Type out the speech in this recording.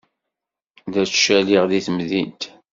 La ttcaliɣ deg temdint.